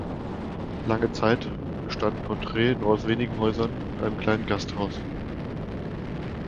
Lange Zeit bestand Portree nur aus wenigen Häusern und einem kleinen Gasthaus.